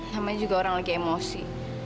namanya juga orang lagi emosi